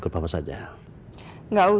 tentang apa yang terjadi